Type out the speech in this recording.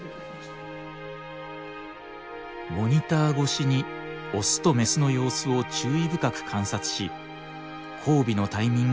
モニター越しにオスとメスの様子を注意深く観察し交尾のタイミングを見極めました。